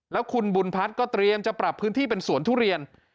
แล้วคุณบุญพัฒน์ก็เตรียมจะปรับพื้นที่เป็นสวนทุเรียน